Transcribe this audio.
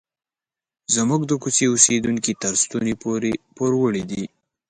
زموږ د کوڅې اوسیدونکي تر ستوني پورې پوروړي دي.